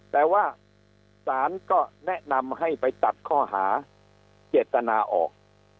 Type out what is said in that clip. แต่ว่าศาลก็แนะนำให้ไปตัดข้อหาเจตนาออก